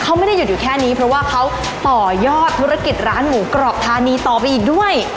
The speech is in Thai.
เขาไม่ได้หยุดอยู่แค่นี้เพราะว่าเขาต่อยอดธุรกิจร้านหมูกรอบธานีต่อไปอีกด้วย